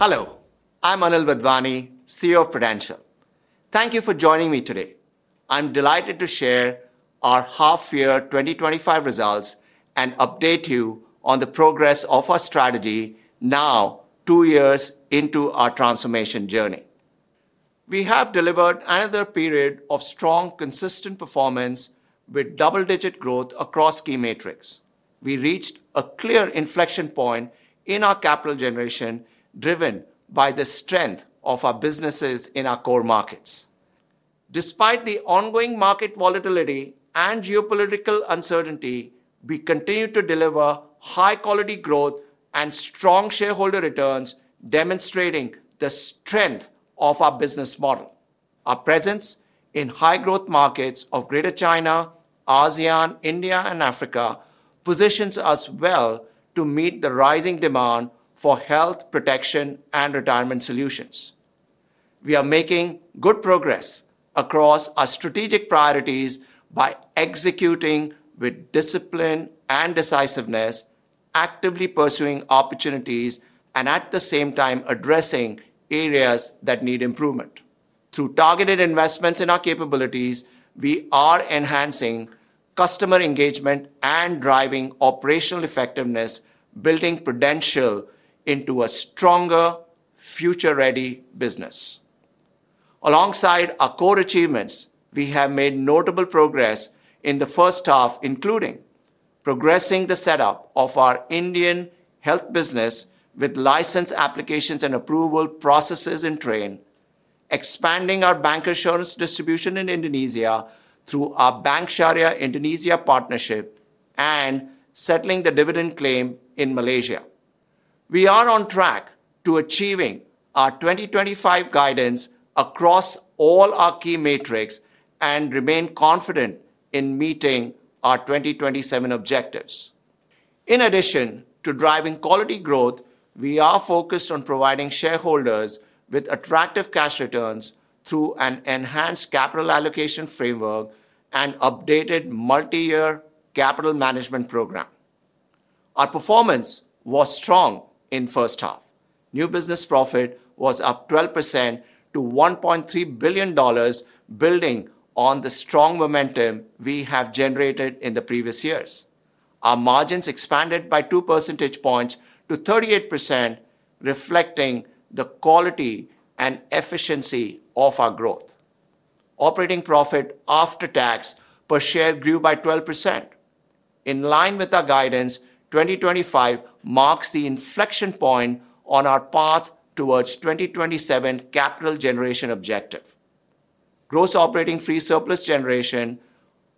Hello, I'm Anil Wadhwani, CEO of Prudential. Thank you for joining me today. I'm delighted to share our half-year 2025 results and update you on the progress of our strategy, now two years into our transformation journey. We have delivered another period of strong, consistent performance with double-digit growth across key metrics. We reached a clear inflection point in our capital generation, driven by the strength of our businesses in our core markets. Despite the ongoing market volatility and geopolitical uncertainty, we continue to deliver high-quality growth and strong shareholder returns, demonstrating the strength of our business model. Our presence in high-growth markets of Greater China, ASEAN, India, and Africa positions us well to meet the rising demand for health, protection, and retirement solutions. We are making good progress across our strategic priorities by executing with discipline and decisiveness, actively pursuing opportunities, and at the same time addressing areas that need improvement. Through targeted investments in our capabilities, we are enhancing customer engagement and driving operational effectiveness, building Prudential into a stronger, future-ready business. Alongside our core achievements, we have made notable progress in the first half, including progressing the setup of our Indian health business with license applications and approval processes in train, expanding our bancassurance distribution in Indonesia through our Bank Syariah Indonesia partnership, and settling the dividend claim in Malaysia. We are on track to achieving our 2025 guidance across all our key metrics and remain confident in meeting our 2027 objectives. In addition to driving quality growth, we are focused on providing shareholders with attractive cash returns through an enhanced capital allocation framework and updated multi-year capital management program. Our performance was strong in the first half. New business profit was up 12% to $1.3 billion, building on the strong momentum we have generated in the previous years. Our margins expanded by two percentage points to 38%, reflecting the quality and efficiency of our growth. Operating profit after tax per share grew by 12%. In line with our guidance, 2025 marks the inflection point on our path towards the 2027 capital generation objective. Gross operating free surplus generation,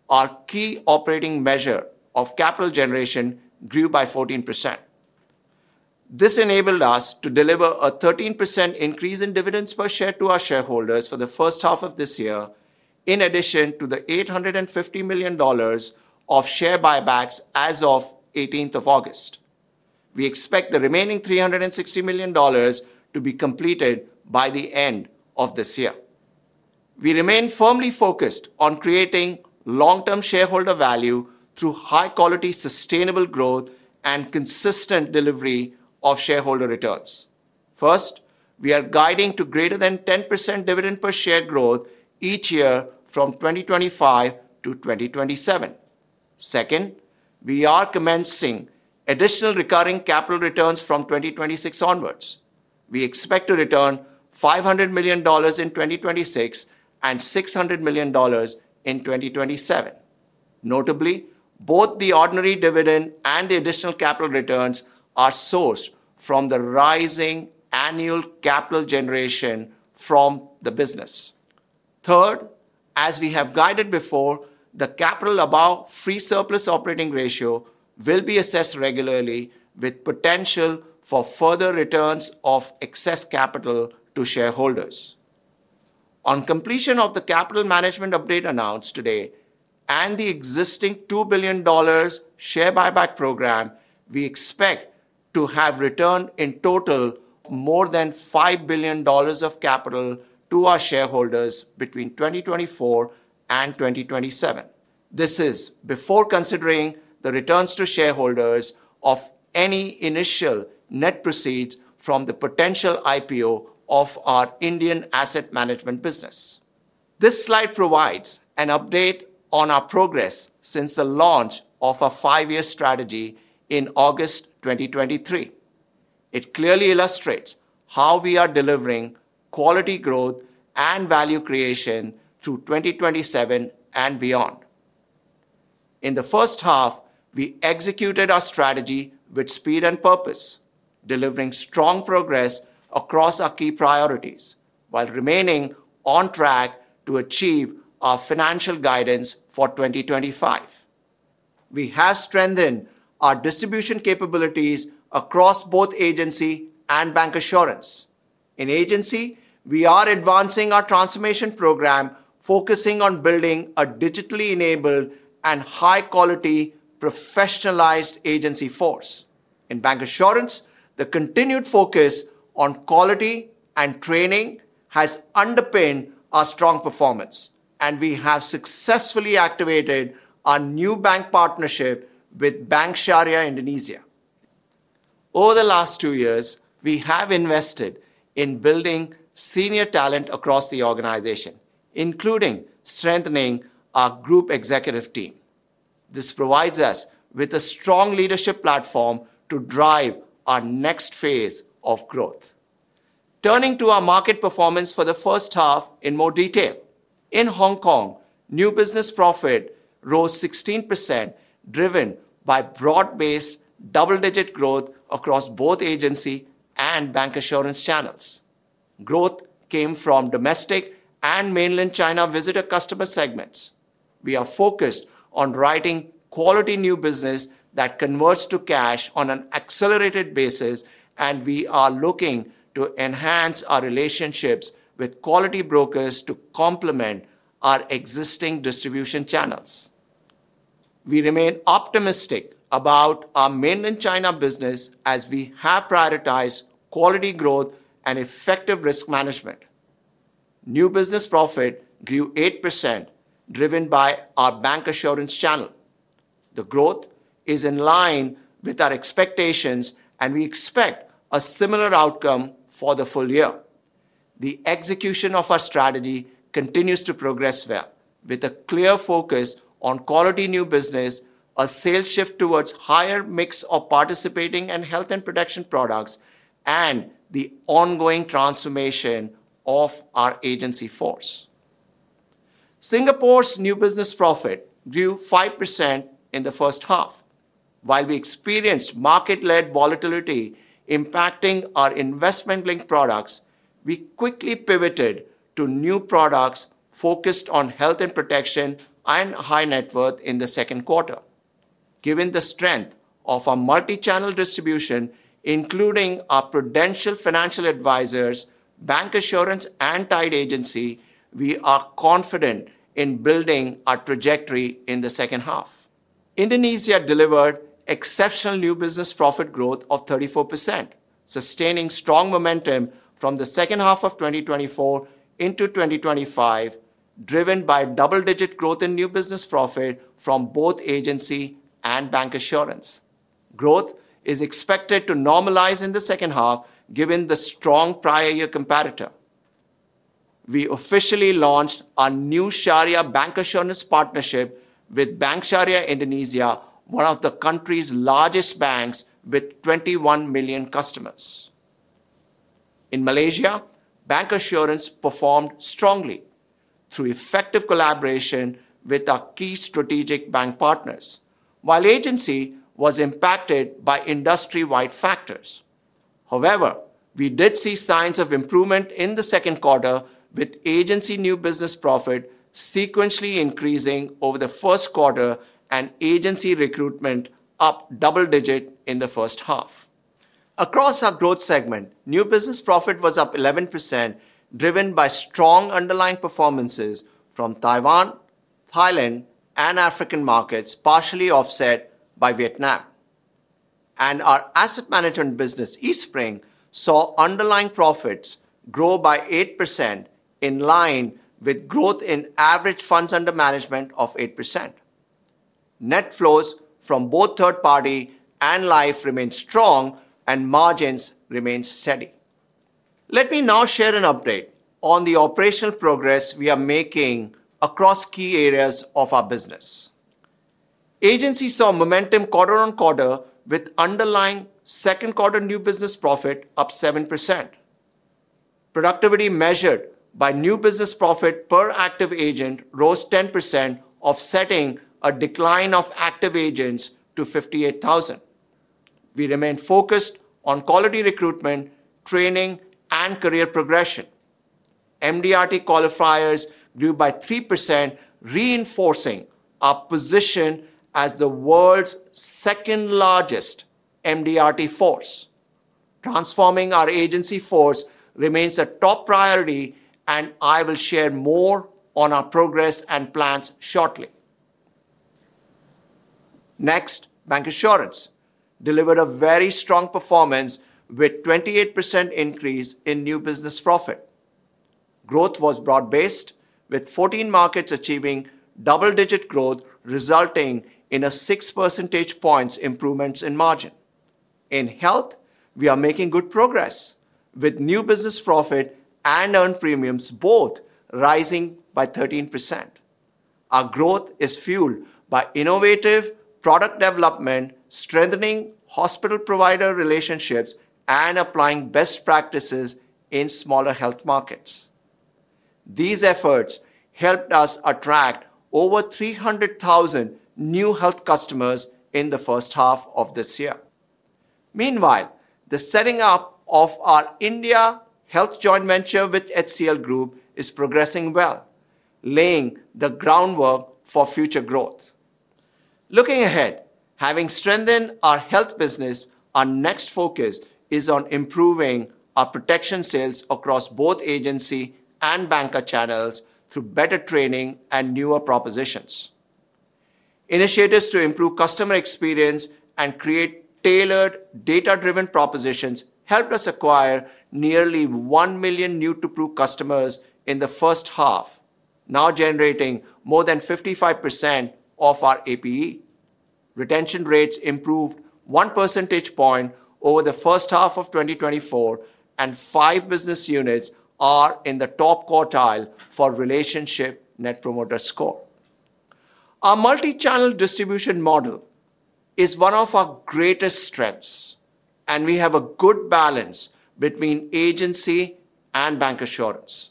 our key operating measure of capital generation, grew by 14%. This enabled us to deliver a 13% increase in dividends per share to our shareholders for the first half of this year, in addition to the $850 million of share buybacks as of 18th of August. We expect the remaining $360 million to be completed by the end of this year. We remain firmly focused on creating long-term shareholder value through high-quality, sustainable growth and consistent delivery of shareholder returns. First, we are guiding to greater than 10% dividend per share growth each year from 2025-2027. Second, we are commencing additional recurring capital returns from 2026 onwards. We expect to return $500 million in 2026 and $600 million in 2027. Notably, both the ordinary dividend and the additional capital returns are sourced from the rising annual capital generation from the business. Third, as we have guided before, the capital above free surplus operating ratio will be assessed regularly with potential for further returns of excess capital to shareholders. On completion of the capital management update announced today, and the existing $2 billion share buyback program, we expect to have returned in total more than $5 billion of capital to our shareholders between 2024 and 2027. This is before considering the returns to shareholders of any initial net proceeds from the potential IPO of our Indian asset management business. This slide provides an update on our progress since the launch of our five-year strategy in August 2023. It clearly illustrates how we are delivering quality growth and value creation through 2027 and beyond. In the first half, we executed our strategy with speed and purpose, delivering strong progress across our key priorities while remaining on track to achieve our financial guidance for 2025. We have strengthened our distribution capabilities across both agency and bancassurance. In agency, we are advancing our transformation program, focusing on building a digitally enabled and high-quality, professionalized agency force. In bancassurance, the continued focus on quality and training has underpinned our strong performance, and we have successfully activated our new bank partnership with Bank Syariah Indonesia. Over the last two years, we have invested in building senior talent across the organization, including strengthening our group executive team. This provides us with a strong leadership platform to drive our next phase of growth. Turning to our market performance for the first half in more detail. In Hong Kong, new business profit rose 16%, driven by broad-based double-digit growth across both agency and bancassurance channels. Growth came from domestic and mainland China visitor customer segments. We are focused on writing quality new business that converts to cash on an accelerated basis, and we are looking to enhance our relationships with quality brokers to complement our existing distribution channels. We remain optimistic about our mainland China business as we have prioritized quality growth and effective risk management. New business profit grew 8%, driven by our bancassurance channel. The growth is in line with our expectations, and we expect a similar outcome for the full year. The execution of our strategy continues to progress well, with a clear focus on quality new business, a sales shift towards a higher mix of participating, health, and protection products, and the ongoing transformation of our agency force. Singapore's new business profit grew 5% in the first half. While we experienced market-led volatility impacting our unit-linked products, we quickly pivoted to new products focused on health and protection and high net worth in the second quarter. Given the strength of our multi-channel distribution, including our Prudential Financial advisors, bancassurance, and tied agency, we are confident in building our trajectory in the second half. Indonesia delivered exceptional new business profit growth of 34%, sustaining strong momentum from the second half of 2024 into 2025, driven by double-digit growth in new business profit from both agency and bancassurance. Growth is expected to normalize in the second half, given the strong prior-year comparator. We officially launched our new Syariah bancassurance partnership with Bank Syariah Indonesia, one of the country's largest banks with 21 million customers. In Malaysia, bancassurance performed strongly through effective collaboration with our key strategic bank partners, while agency was impacted by industry-wide factors. However, we did see signs of improvement in the second quarter, with agency new business profit sequentially increasing over the first quarter and agency recruitment up double-digit in the first half. Across our growth segment, new business profit was up 11%, driven by strong underlying performances from Taiwan, Thailand, and African markets, partially offset by Vietnam. Our asset management business, eSpring, saw underlying profits grow by 8%, in line with growth in average funds under management of 8%. Net flows from both third-party and life remain strong, and margins remain steady. Let me now share an update on the operational progress we are making across key areas of our business. Agency saw momentum quarter on quarter, with underlying second-quarter new business profit up 7%. Productivity measured by new business profit per active agent rose 10%, offsetting a decline of active agents to 58,000. We remain focused on quality recruitment, training, and career progression. MDRT qualifiers grew by 3%, reinforcing our position as the world's second-largest MDRT force. Transforming our agency force remains a top priority, and I will share more on our progress and plans shortly. Next, bancassurance delivered a very strong performance with a 28% increase in new business profit. Growth was broad-based, with 14 markets achieving double-digit growth, resulting in a six percentage point improvement in margin. In health, we are making good progress, with new business profit and earned premiums both rising by 13%. Our growth is fueled by innovative product development, strengthening hospital-provider relationships, and applying best practices in smaller health markets. These efforts helped us attract over 300,000 new health customers in the first half of this year. Meanwhile, the setting up of our India health joint venture with HCL Group is progressing well, laying the groundwork for future growth. Looking ahead, having strengthened our health business, our next focus is on improving our protection sales across both agency and bancassurance channels through better training and newer propositions. Initiatives to improve customer experience and create tailored, data-driven propositions helped us acquire nearly 1 million new-to-approved customers in the first half, now generating more than 55% of our APE. Retention rates improved one percentage point over the first half of 2024, and five business units are in the top quartile for relationship net promoter score. Our multi-channel distribution model is one of our greatest strengths, and we have a good balance between agency and bancassurance.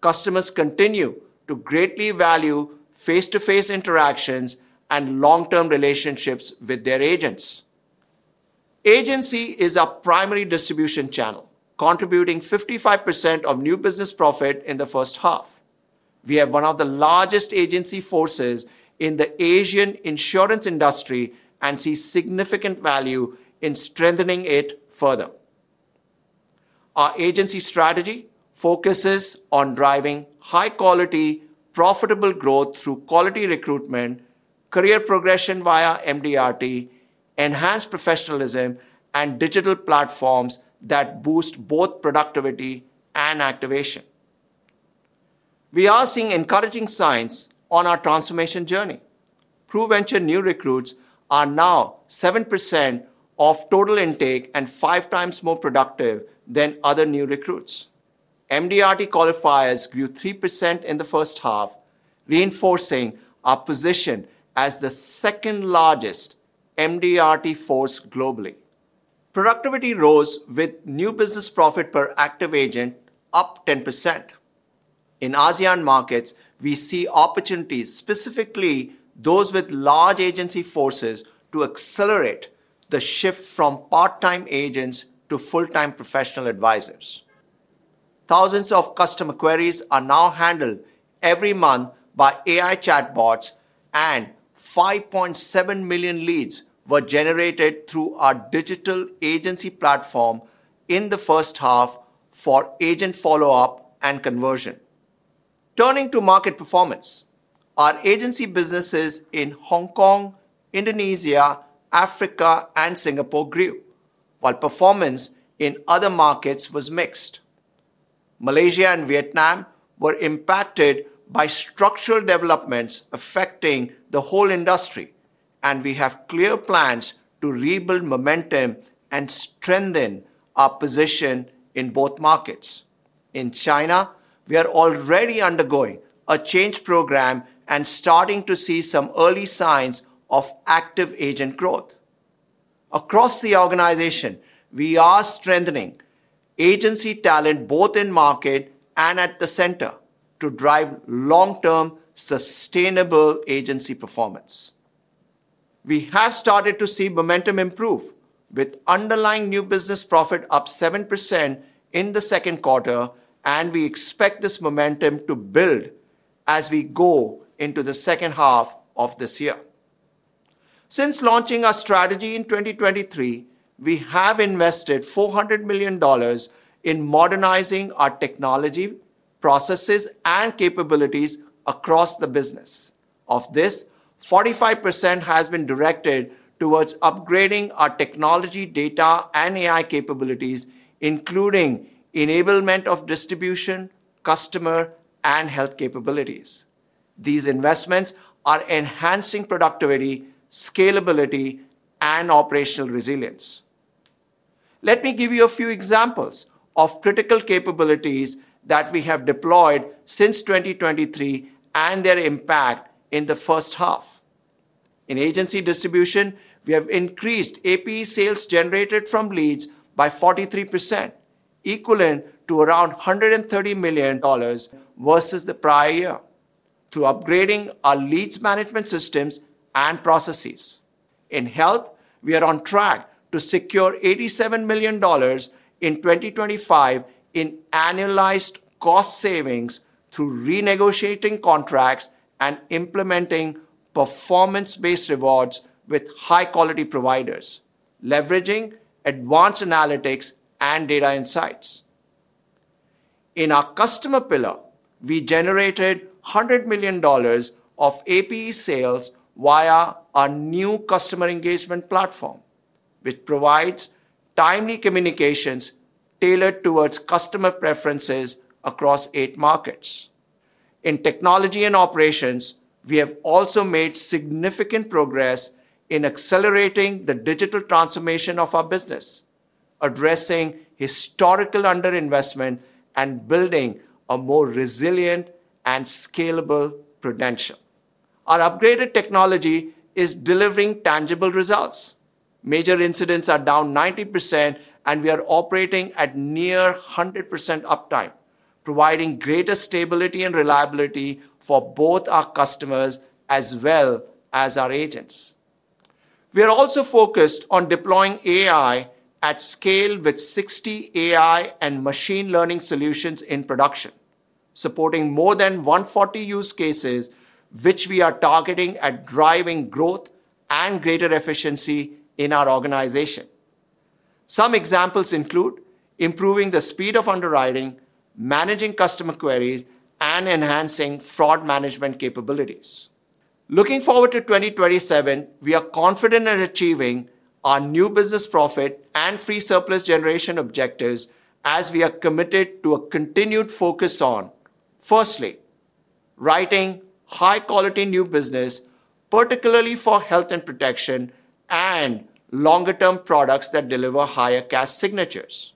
Customers continue to greatly value face-to-face interactions and long-term relationships with their agents. Agency is our primary distribution channel, contributing 55% of new business profit in the first half. We have one of the largest agency forces in the Asian insurance industry and see significant value in strengthening it further. Our agency strategy focuses on driving high-quality, profitable growth through quality recruitment, career progression via MDRT, enhanced professionalism, and digital platforms that boost both productivity and activation. We are seeing encouraging signs on our transformation journey. Prevention new recruits are now 7% of total intake and five times more productive than other new recruits. MDRT qualifiers grew 3% in the first half, reinforcing our position as the second-largest MDRT force globally. Productivity rose with new business profit per active agent up 10%. In ASEAN markets, we see opportunities, specifically those with large agency forces, to accelerate the shift from part-time agents to full-time professional advisors. Thousands of customer queries are now handled every month by AI chatbots, and 5.7 million leads were generated through our digital agency platform in the first half for agent follow-up and conversion. Turning to market performance, our agency businesses in Hong Kong, Indonesia, Africa, and Singapore grew, while performance in other markets was mixed. Malaysia and Vietnam were impacted by structural developments affecting the whole industry, and we have clear plans to rebuild momentum and strengthen our position in both markets. In China, we are already undergoing a change program and starting to see some early signs of active agent growth. Across the organization, we are strengthening agency talent both in market and at the center to drive long-term, sustainable agency performance. We have started to see momentum improve, with underlying new business profit up 7% in the second quarter, and we expect this momentum to build as we go into the second half of this year. Since launching our strategy in 2023, we have invested $400 million in modernizing our technology, processes, and capabilities across the business. Of this, 45% has been directed towards upgrading our technology, data, and AI capabilities, including enablement of distribution, customer, and health capabilities. These investments are enhancing productivity, scalability, and operational resilience. Let me give you a few examples of critical capabilities that we have deployed since 2023 and their impact in the first half. In agency distribution, we have increased APE sales generated from leads by 43%, equivalent to around $130 million versus the prior year, through upgrading our leads management systems and processes. In health, we are on track to secure $87 million in 2025 in annualized cost savings through renegotiating contracts and implementing performance-based rewards with high-quality providers, leveraging advanced analytics and data insights. In our customer pillar, we generated $100 million of APE sales via our new customer engagement platform, which provides timely communications tailored towards customer preferences across eight markets. In technology and operations, we have also made significant progress in accelerating the digital transformation of our business, addressing historical underinvestment and building a more resilient and scalable Prudential. Our upgraded technology is delivering tangible results. Major incidents are down 90%, and we are operating at near 100% uptime, providing greater stability and reliability for both our customers as well as our agents. We are also focused on deploying AI at scale, with 60 AI and machine learning solutions in production, supporting more than 140 use cases, which we are targeting at driving growth and greater efficiency in our organization. Some examples include improving the speed of underwriting, managing customer queries, and enhancing fraud management capabilities. Looking forward to 2027, we are confident in achieving our new business profit and free surplus generation objectives as we are committed to a continued focus on, firstly, writing high-quality new business, particularly for health and protection and longer-term products that deliver higher cash signatures.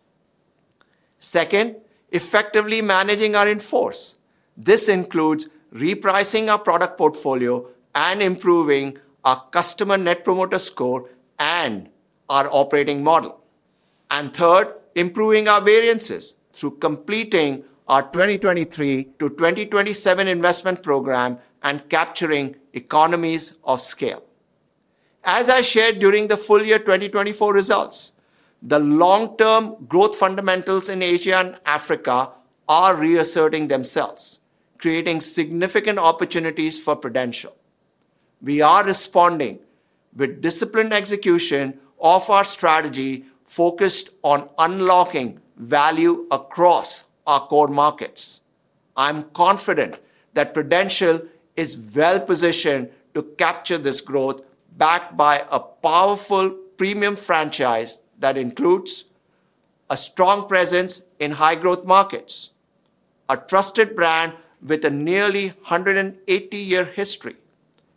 Second, effectively managing our invoice. This includes repricing our product portfolio and improving our customer net promoter score and our operating model. Third, improving our variances through completing our 2023-2027 investment program and capturing economies of scale. As I shared during the full-year 2024 results, the long-term growth fundamentals in Asia and Africa are reasserting themselves, creating significant opportunities for Prudential. We are responding with disciplined execution of our strategy, focused on unlocking value across our core markets. I'm confident that Prudential is well-positioned to capture this growth, backed by a powerful premium franchise that includes a strong presence in high-growth markets, a trusted brand with a nearly 180-year history,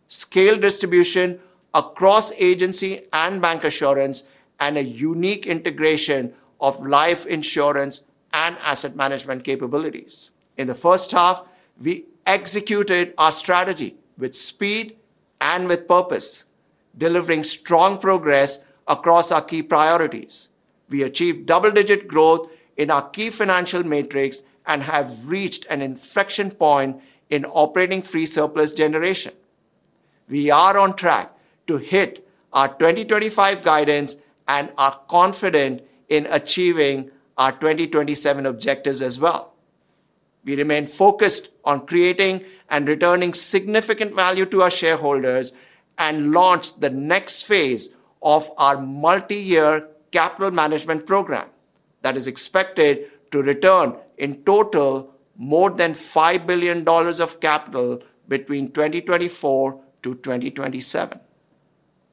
scale distribution across agency and bancassurance, and a unique integration of life insurance and asset management capabilities. In the first half, we executed our strategy with speed and with purpose, delivering strong progress across our key priorities. We achieved double-digit growth in our key financial metrics and have reached an inflection point in operating free surplus generation. We are on track to hit our 2025 guidance and are confident in achieving our 2027 objectives as well. We remain focused on creating and returning significant value to our shareholders and launch the next phase of our multi-year capital management program that is expected to return in total more than $5 billion of capital between 2024-2027.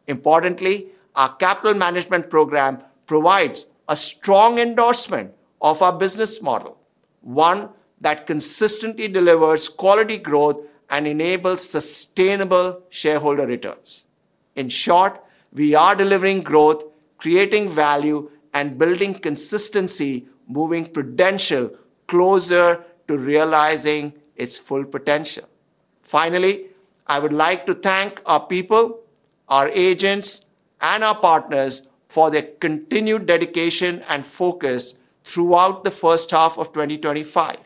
Importantly, our capital management program provides a strong endorsement of our business model, one that consistently delivers quality growth and enables sustainable shareholder returns. In short, we are delivering growth, creating value, and building consistency, moving Prudential closer to realizing its full potential. Finally, I would like to thank our people, our agents, and our partners for their continued dedication and focus throughout the first half of 2025.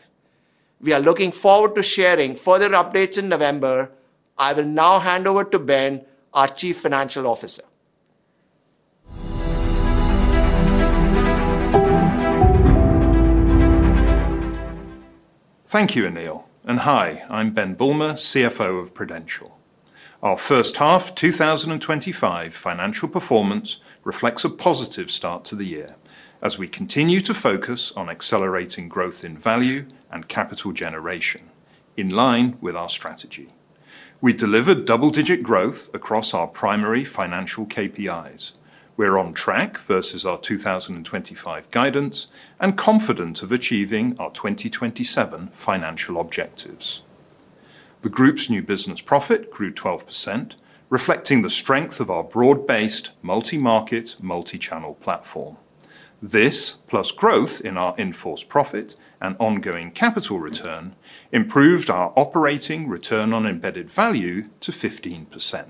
We are looking forward to sharing further updates in November. I will now hand over to Ben, our Chief Financial Officer. Thank you, Anil, and hi, I'm Ben Bulmer, CFO of Prudential. Our first half 2025 financial performance reflects a positive start to the year as we continue to focus on accelerating growth in value and capital generation, in line with our strategy. We delivered double-digit growth across our primary financial KPIs. We're on track versus our 2025 guidance and confident of achieving our 2027 financial objectives. The group's new business profit grew 12%, reflecting the strength of our broad-based, multi-market, multi-channel platform. This, plus growth in our invoice profit and ongoing capital return, improved our operating return on embedded value to 15%.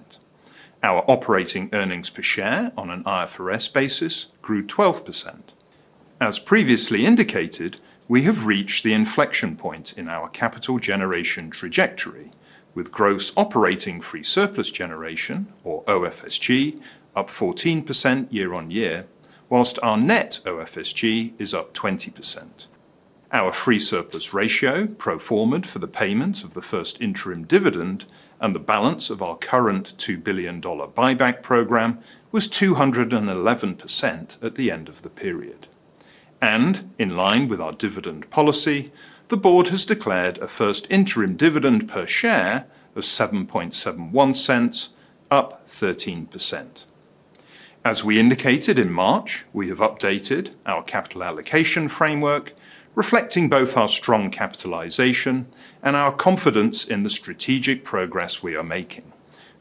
Our operating earnings per share on an IFRS basis grew 12%. As previously indicated, we have reached the inflection point in our capital generation trajectory, with gross operating free surplus generation, or OFSG, up 14% year-on-year, whilst our net OFSG is up 20%. Our free surplus ratio, pro forma for the payments of the first interim dividend and the balance of our current $2 billion buyback program, was 211% at the end of the period. In line with our dividend policy, the board has declared a first interim dividend per share of $0.0771, up 13%. As we indicated in March, we have updated our capital allocation framework, reflecting both our strong capitalization and our confidence in the strategic progress we are making,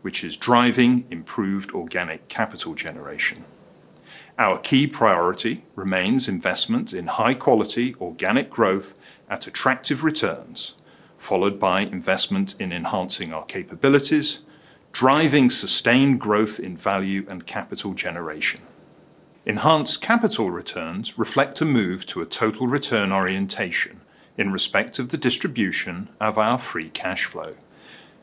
which is driving improved organic capital generation. Our key priority remains investment in high-quality organic growth at attractive returns, followed by investment in enhancing our capabilities, driving sustained growth in value and capital generation. Enhanced capital returns reflect a move to a total return orientation in respect of the distribution of our free cash flow.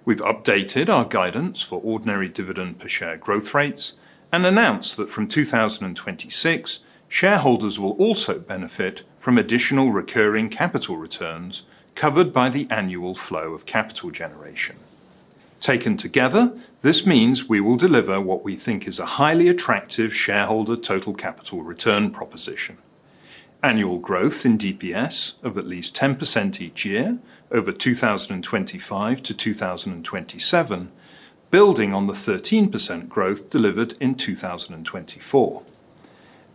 We've updated our guidance for ordinary dividend per share growth rates and announced that from 2026, shareholders will also benefit from additional recurring capital returns covered by the annual flow of capital generation. Taken together, this means we will deliver what we think is a highly attractive shareholder total capital return proposition. Annual growth in DPS of at least 10% each year over 2025-2027, building on the 13% growth delivered in 2024,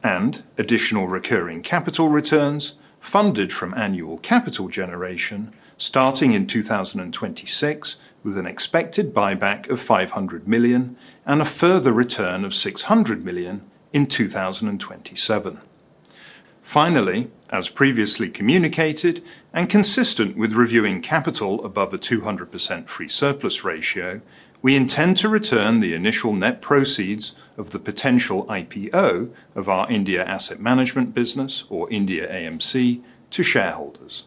and additional recurring capital returns funded from annual capital generation starting in 2026, with an expected buyback of $500 million and a further return of $600 million in 2027. Finally, as previously communicated and consistent with reviewing capital above a 200% free surplus ratio, we intend to return the initial net proceeds of the potential IPO of our India asset management business, or India AMC, to shareholders.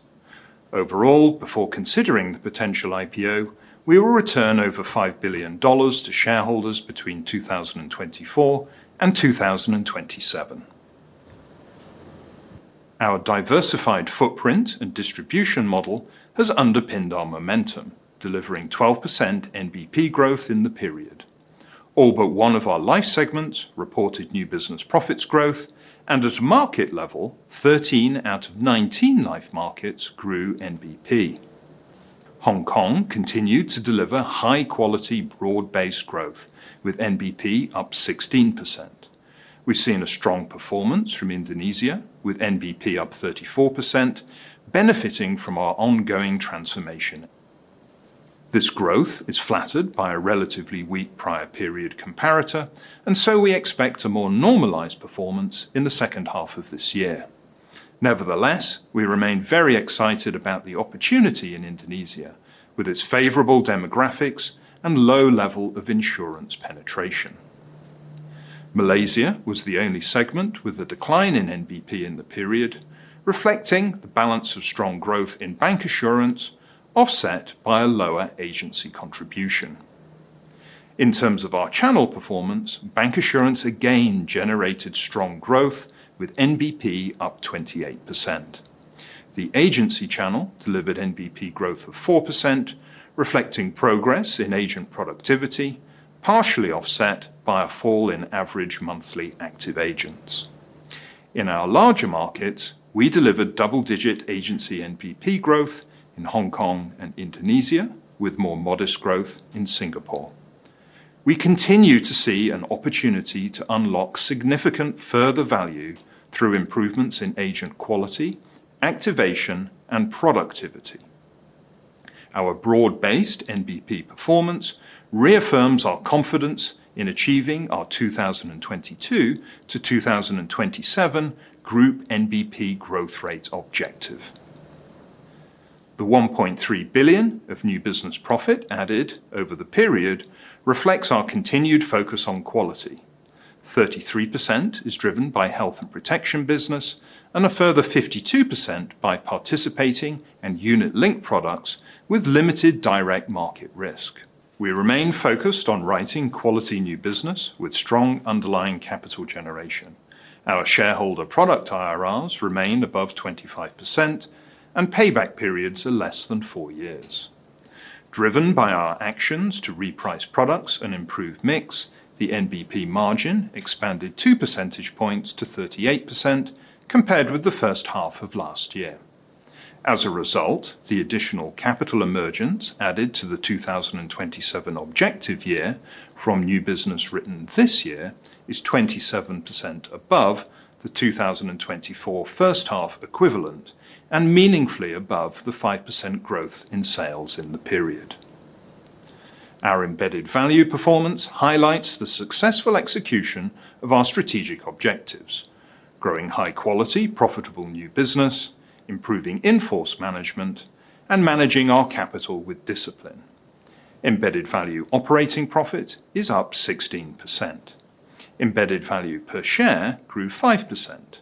Overall, before considering the potential IPO, we will return over $5 billion to shareholders between 2024 and 2027. Our diversified footprint and distribution model has underpinned our momentum, delivering 12% NBP growth in the period. All but one of our life segments reported new business profits growth, and at market level, 13 out of 19 life markets grew NBP. Hong Kong continued to deliver high-quality broad-based growth, with NBP up 16%. We've seen a strong performance from Indonesia, with NBP up 34%, benefiting from our ongoing transformation. This growth is flattered by a relatively weak prior period comparator, and we expect a more normalized performance in the second half of this year. Nevertheless, we remain very excited about the opportunity in Indonesia, with its favorable demographics and low level of insurance penetration. Malaysia was the only segment with a decline in NBP in the period, reflecting the balance of strong growth in bancassurance, offset by a lower agency contribution. In terms of our channel performance, bancassurance again generated strong growth, with NBP up 28%. The agency channel delivered NBP growth of 4%, reflecting progress in agent productivity, partially offset by a fall in average monthly active agents. In our larger markets, we delivered double-digit agency NBP growth in Hong Kong and Indonesia, with more modest growth in Singapore. We continue to see an opportunity to unlock significant further value through improvements in agent quality, activation, and productivity. Our broad-based NBP performance reaffirms our confidence in achieving our 2022 to 2027 group NBP growth rate objective. The $1.3 billion of new business profit added over the period reflects our continued focus on quality. 33% is driven by health and protection business, and a further 52% by participating and unit-linked products with limited direct market risk. We remain focused on writing quality new business with strong underlying capital generation. Our shareholder product IRRs remain above 25%, and payback periods are less than four years. Driven by our actions to reprice products and improve mix, the NBP margin expanded two percentage points to 38% compared with the first half of last year. As a result, the additional capital emergence added to the 2027 objective year from new business written this year is 27% above the 2024 first half equivalent and meaningfully above the 5% growth in sales in the period. Our embedded value performance highlights the successful execution of our strategic objectives, growing high-quality, profitable new business, improving invoice management, and managing our capital with discipline. Embedded value operating profit is up 16%. Embedded value per share grew 5%.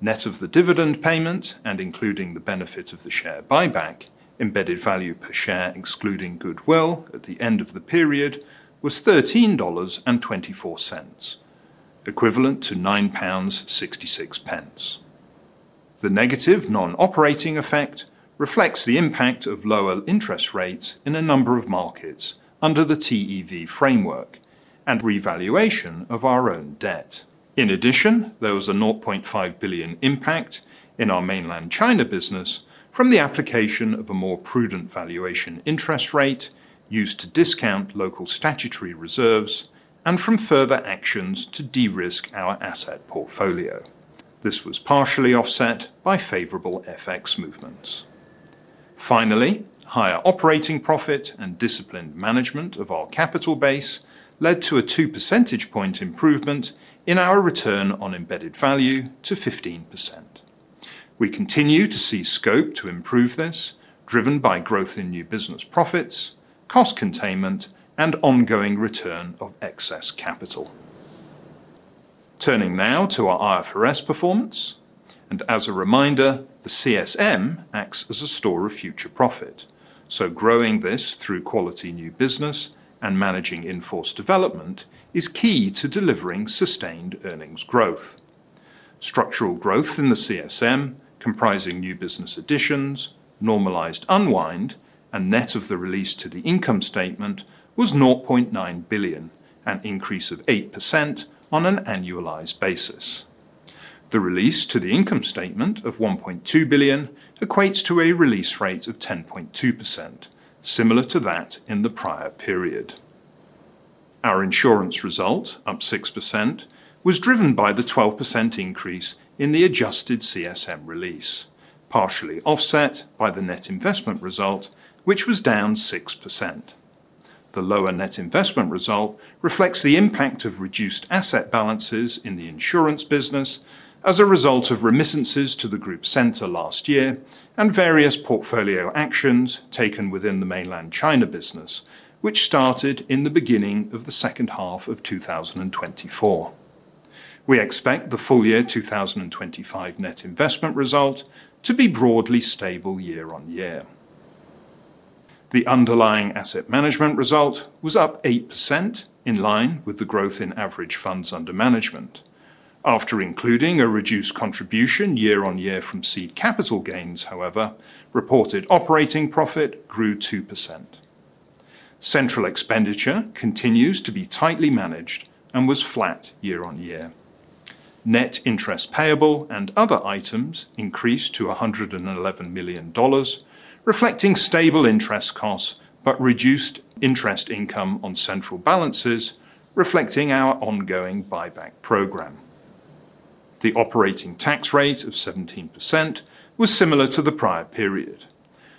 Net of the dividend payment and including the benefits of the share buyback, embedded value per share excluding goodwill at the end of the period was $13.24, equivalent to 9.66 pounds. The negative non-operating effect reflects the impact of lower interest rates in a number of markets under the TEV framework and revaluation of our own debt. In addition, there was a $0.5 billion impact in our mainland China business from the application of a more prudent valuation interest rate used to discount local statutory reserves and from further actions to de-risk our asset portfolio. This was partially offset by favorable FX movements. Finally, higher operating profit and disciplined management of our capital base led to a two percentage point improvement in our return on embedded value to 15%. We continue to see scope to improve this, driven by growth in new business profits, cost containment, and ongoing return of excess capital. Turning now to our IFRS performance, and as a reminder, the CSM acts as a store of future profit, so growing this through quality new business and managing invoice development is key to delivering sustained earnings growth. Structural growth in the CSM, comprising new business additions, normalized unwind, and net of the release to the income statement was $0.9 billion, an increase of 8% on an annualized basis. The release to the income statement of $1.2 billion equates to a release rate of 10.2%, similar to that in the prior period. Our insurance result, up 6%, was driven by the 12% increase in the adjusted CSM release, partially offset by the net investment result, which was down 6%. The lower net investment result reflects the impact of reduced asset balances in the insurance business as a result of remittances to the group center last year and various portfolio actions taken within the mainland China business, which started in the beginning of the second half of 2024. We expect the full-year 2025 net investment result to be broadly stable year-on-year. The underlying asset management result was up 8%, in line with the growth in average funds under management. After including a reduced contribution year-on-year from seed capital gains, however, reported operating profit grew 2%. Central expenditure continues to be tightly managed and was flat year-on-year. Net interest payable and other items increased to $111 million, reflecting stable interest costs but reduced interest income on central balances, reflecting our ongoing buyback program. The operating tax rate of 17% was similar to the prior period,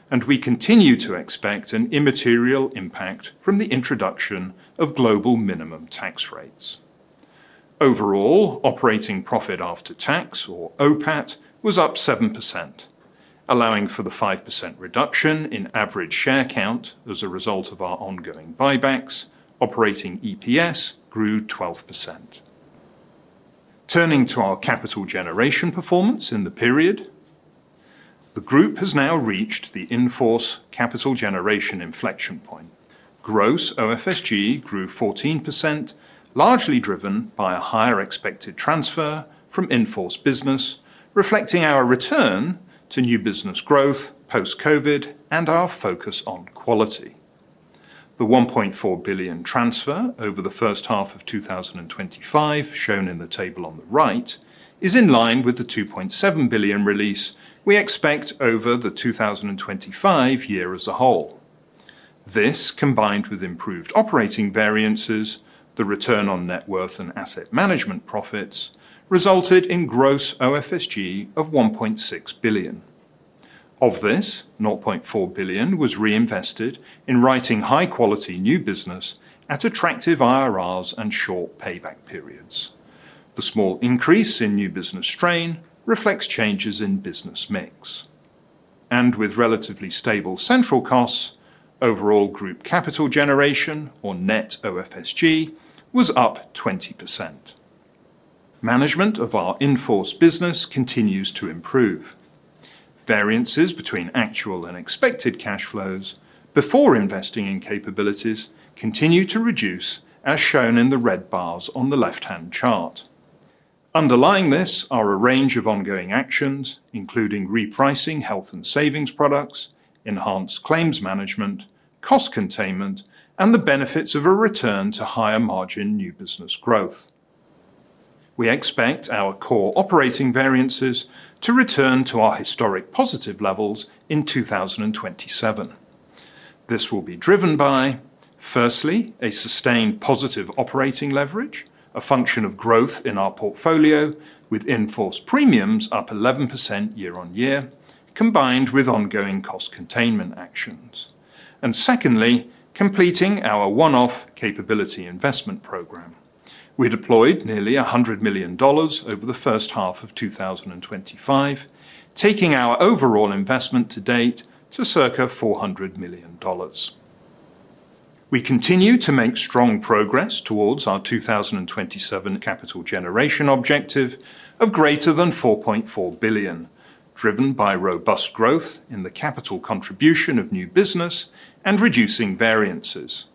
and we continue to expect an immaterial impact from the introduction of global minimum tax rates. Overall, operating profit after tax, or OPAT, was up 7%, allowing for the 5% reduction in average share count as a result of our ongoing buybacks. Operating EPS grew 12%. Turning to our capital generation performance in the period, the group has now reached the in-force capital generation inflection point. Gross operating free surplus generation grew 14%, largely driven by a higher expected transfer from in-force business, reflecting our return to new business growth post-COVID and our focus on quality. The $1.4 billion transfer over the first half of 2025, shown in the table on the right, is in line with the $2.7 billion release we expect over the 2025 year as a whole. This, combined with improved operating variances, the return on net worth and asset management profits, resulted in gross operating free surplus generation of $1.6 billion. Of this, $0.4 billion was reinvested in writing high-quality new business at attractive IRRs and short payback periods. The small increase in new business strain reflects changes in business mix. With relatively stable central costs, overall group capital generation, or net operating free surplus generation, was up 20%. Management of our in-force business continues to improve. Variances between actual and expected cash flows before investing in capabilities continue to reduce, as shown in the red bars on the left-hand chart. Underlying this are a range of ongoing actions, including repricing health and savings products, enhanced claims management, cost containment, and the benefits of a return to higher margin new business growth. We expect our core operating variances to return to our historic positive levels in 2027. This will be driven by, firstly, a sustained positive operating leverage, a function of growth in our portfolio with invoice premiums up 11% year-on-year, combined with ongoing cost containment actions. Secondly, completing our one-off capability investment program. We deployed nearly $100 million over the first half of 2025, taking our overall investment to date to circa $400 million. We continue to make strong progress towards our 2027 capital generation objective of greater than $4.4 billion, driven by robust growth in the capital contribution of new business and reducing variances.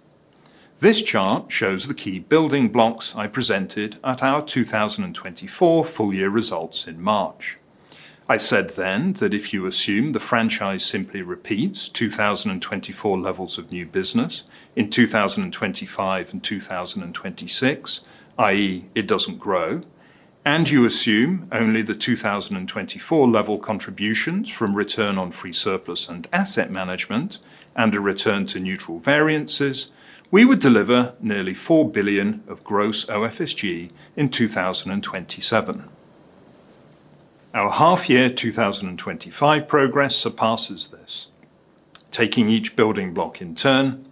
This chart shows the key building blocks I presented at our 2024 full-year results in March. I said then that if you assume the franchise simply repeats 2024 levels of new business in 2025 and 2026, i.e., it doesn't grow, and you assume only the 2024 level contributions from return on free surplus and asset management and a return to neutral variances, we would deliver nearly $4 billion of gross operating free surplus generation in 2027. Our half-year 2025 progress surpasses this. Taking each building block in turn,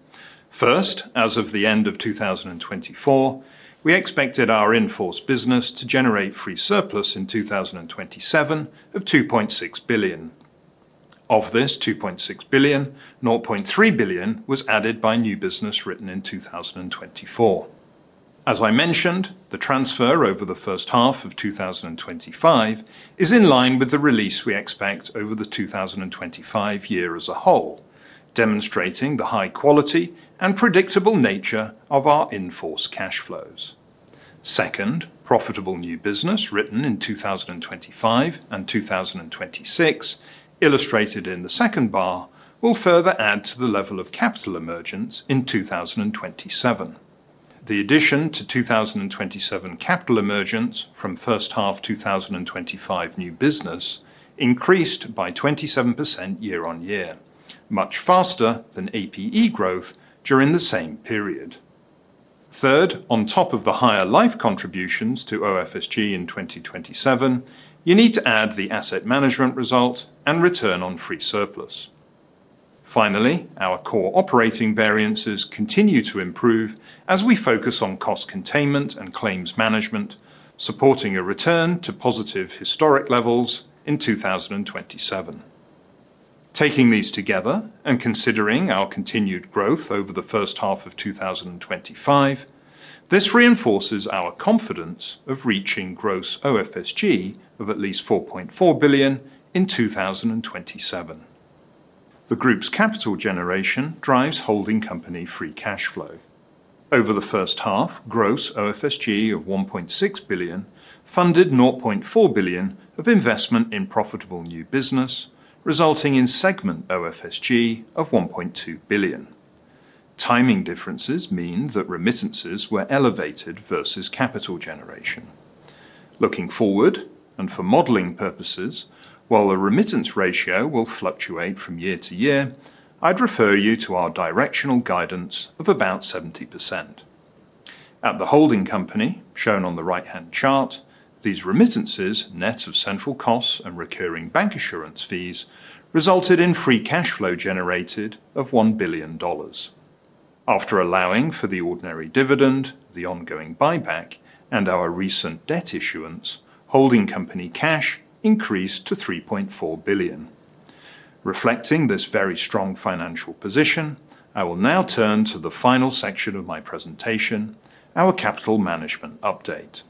first, as of the end of 2024, we expected our invoice business to generate free surplus in 2027 of $2.6 billion. Of this $2.6 billion, $0.3 billion was added by new business written in 2024. As I mentioned, the transfer over the first half of 2025 is in line with the release we expect over the 2025 year as a whole, demonstrating the high quality and predictable nature of our invoice cash flows. Profitable new business written in 2025 and 2026, illustrated in the second bar, will further add to the level of capital emergence in 2027. The addition to 2027 capital emergence from first half 2025 new business increased by 27% year on year, much faster than APE growth during the same period. On top of the higher life contributions to operating free surplus generation in 2027, you need to add the asset management result and return on free surplus. Our core operating variances continue to improve as we focus on cost containment and claims management, supporting a return to positive historic levels in 2027. Taking these together and considering our continued growth over the first half of 2025, this reinforces our confidence of reaching gross operating free surplus generation of at least $4.4 billion in 2027. The group's capital generation drives holding company free cash flow. Over the first half, gross operating free surplus generation of $1.6 billion funded $0.4 billion of investment in profitable new business, resulting in segment operating free surplus generation of $1.2 billion. Timing differences mean that remittances were elevated versus capital generation. Looking forward, and for modeling purposes, while a remittance ratio will fluctuate from year-to-year, I'd refer you to our directional guidance of about 70%. At the holding company, shown on the right-hand chart, these remittances, net of central costs and recurring bancassurance fees, resulted in free cash flow generated of $1 billion. After allowing for the ordinary dividend, the ongoing buyback, and our recent debt issuance, holding company cash increased to $3.4 billion. Reflecting this very strong financial position, I will now turn to the final section of my presentation, our capital management update.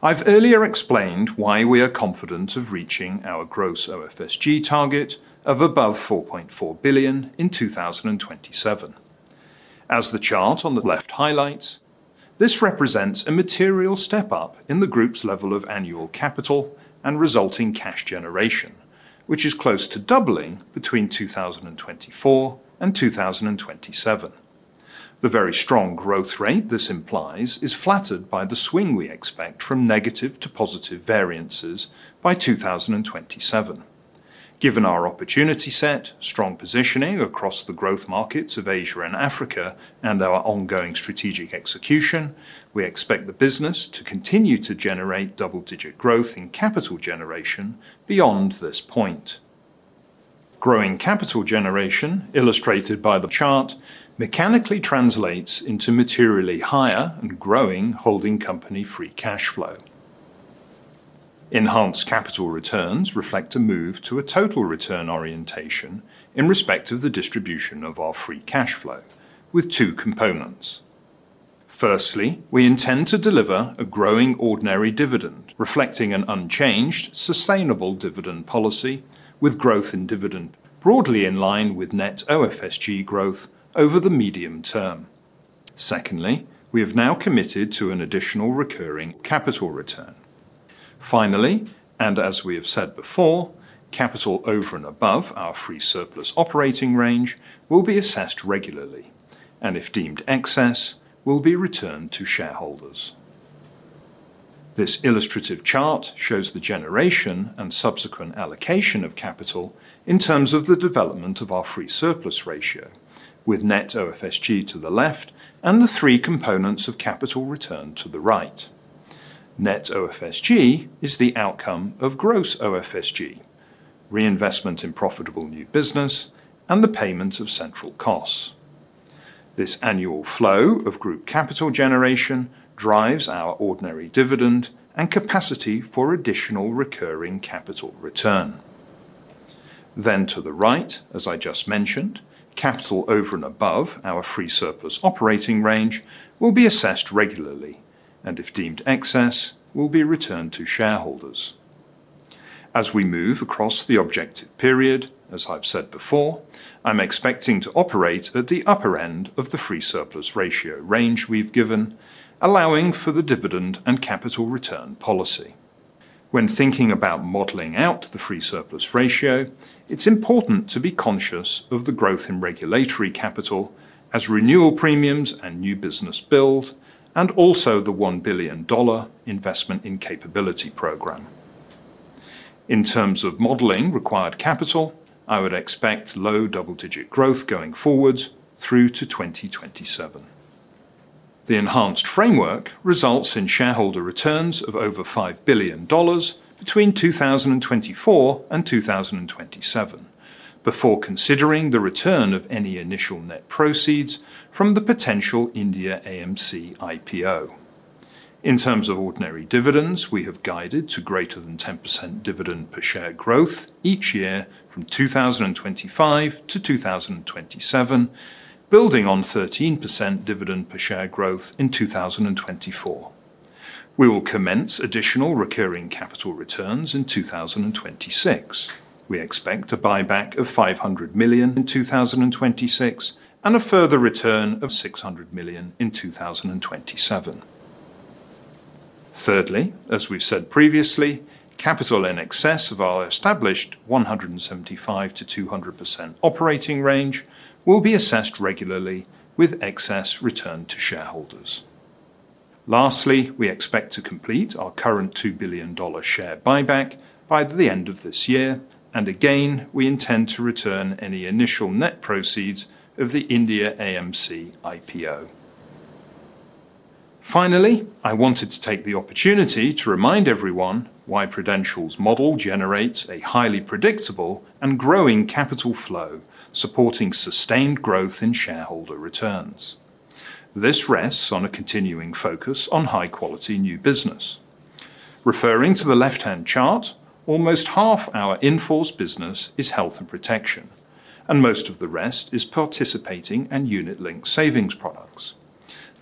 I've earlier explained why we are confident of reaching our gross operating free surplus generation target of above $4.4 billion in 2027. As the chart on the left highlights, this represents a material step up in the group's level of annual capital and resulting cash generation, which is close to doubling between 2024 and 2027. The very strong growth rate this implies is flattered by the swing we expect from negative to positive variances by 2027. Given our opportunity set, strong positioning across the growth markets of Asia and Africa, and our ongoing strategic execution, we expect the business to continue to generate double-digit growth in capital generation beyond this point. Growing capital generation, illustrated by the chart, mechanically translates into materially higher and growing holding company free cash flow. Enhanced capital returns reflect a move to a total return orientation in respect of the distribution of our free cash flow, with two components. Firstly, we intend to deliver a growing ordinary dividend, reflecting an unchanged, sustainable dividend policy with growth in dividend, broadly in line with net operating free surplus generation growth over the medium term. Secondly, we have now committed to an additional recurring capital return. Finally, as we have said before, capital over and above our free surplus operating range will be assessed regularly, and if deemed excess, will be returned to shareholders. This illustrative chart shows the generation and subsequent allocation of capital in terms of the development of our free surplus ratio, with net operating free surplus generation to the left and the three components of capital return to the right. Net operating free surplus generation is the outcome of gross operating free surplus generation, reinvestment in profitable new business, and the payments of central costs. This annual flow of group capital generation drives our ordinary dividend and capacity for additional recurring capital return. To the right, as I just mentioned, capital over and above our free surplus operating range will be assessed regularly, and if deemed excess, will be returned to shareholders. As we move across the objective period, as I've said before, I'm expecting to operate at the upper end of the free surplus ratio range we've given, allowing for the dividend and capital return policy. When thinking about modeling out the free surplus ratio, it's important to be conscious of the growth in regulatory capital as renewal premiums and new business build, and also the $1 billion investment in capability program. In terms of modeling required capital, I would expect low double-digit growth going forward through to 2027. The enhanced framework results in shareholder returns of over $5 billion between 2024 and 2027, before considering the return of any initial net proceeds from the potential India AMC IPO. In terms of ordinary dividends, we have guided to greater than 10% dividend per share growth each year from 2025-2027, building on 13% dividend per share growth in 2024. We will commence additional recurring capital returns in 2026. We expect a buyback of $500 million in 2026 and a further return of $600 million in 2027. Thirdly, as we've said previously, capital in excess of our established 175%-200% operating range will be assessed regularly with excess return to shareholders. Lastly, we expect to complete our current $2 billion share buyback by the end of this year, and again, we intend to return any initial net proceeds of the India AMC IPO. Finally, I wanted to take the opportunity to remind everyone why Prudential's model generates a highly predictable and growing capital flow, supporting sustained growth in shareholder returns. This rests on a continuing focus on high-quality new business. Referring to the left-hand chart, almost half our invoice business is health and protection, and most of the rest is participating and unit-linked savings products.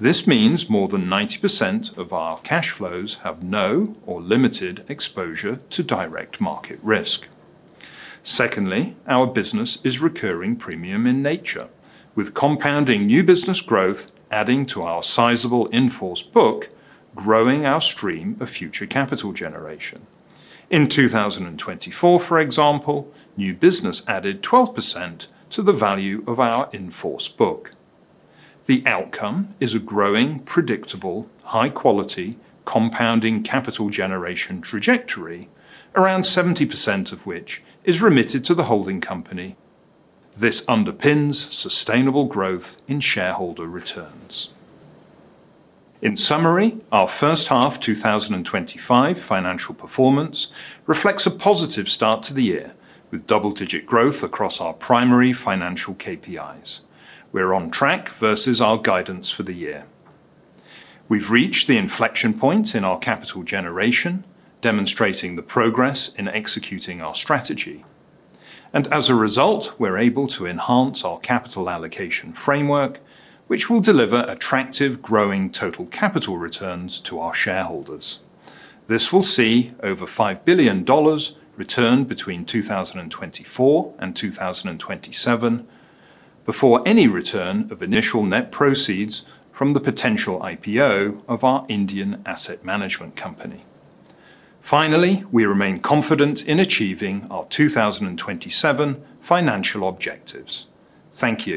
This means more than 90% of our cash flows have no or limited exposure to direct market risk. Our business is recurring premium in nature, with compounding new business growth adding to our sizable invoice book, growing our stream of future capital generation. In 2024, for example, new business added 12% to the value of our invoice book. The outcome is a growing, predictable, high-quality, compounding capital generation trajectory, around 70% of which is remitted to the holding company. This underpins sustainable growth in shareholder returns. In summary, our first half 2025 financial performance reflects a positive start to the year with double-digit growth across our primary financial KPIs. We're on track versus our guidance for the year. We've reached the inflection point in our capital generation, demonstrating the progress in executing our strategy. As a result, we're able to enhance our capital allocation framework, which will deliver attractive, growing total capital returns to our shareholders. This will see over $5 billion returned between 2024 and 2027, before any return of initial net proceeds from the potential IPO of our India AMC. Finally, we remain confident in achieving our 2027 financial objectives. Thank you.